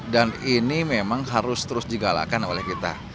dan ini memang harus terus digalakan oleh kita